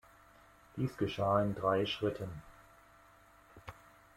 Dies geschah in drei Schritten.